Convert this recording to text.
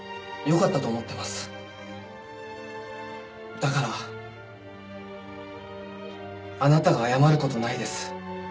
だからあなたが謝る事ないです。